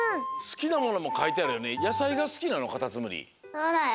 そうだよ。